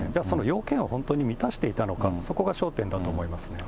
要件を本当に満たしていたのか、そこが焦点だと思いますね。